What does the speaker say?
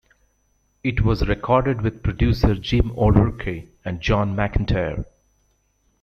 It was recorded with producer Jim O'Rourke and John McEntire.